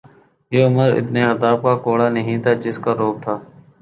یہ عمرؓ ابن خطاب کا کوڑا نہیں تھا جس کا رعب تھا۔